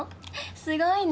すごいね。